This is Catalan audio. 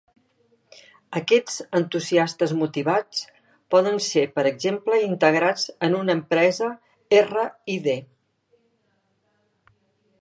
Aquests entusiastes motivats, poden ser per exemple integrats en una empresa R i D.